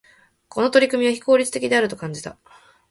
この取り組みは、非効率的であると感じた。